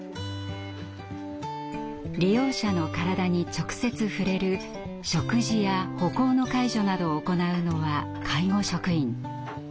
利用者の体に直接触れる食事や歩行の介助などを行うのは介護職員。